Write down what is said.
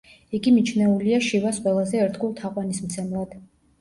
იგი მიჩნეულია შივას ყველაზე ერთგულ თაყვანისმცემლად.